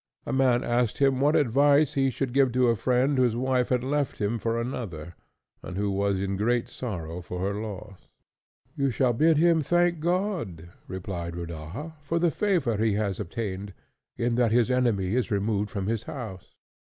A man once asked him what advice he should give to a friend whose wife had left him for another, and who was in great sorrow for her loss. "You shall bid him thank God," replied Rodaja, "for the favour he has obtained, in that his enemy is removed from his house."